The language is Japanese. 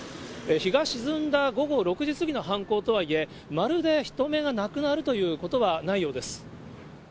日が沈んだ午後６時過ぎの犯行とはいえ、まるで人目がなくなるということはないようです。